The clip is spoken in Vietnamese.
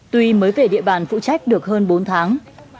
tuy mới về địa bàn phụ trách được hơn bốn tháng